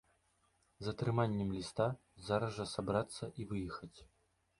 З атрыманнем ліста зараз жа сабрацца і выехаць.